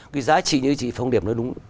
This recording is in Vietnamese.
cái giá trị như chị phong điệp nói đúng